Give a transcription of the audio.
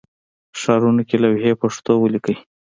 ښارونو کې لوحې پښتو ولیکئ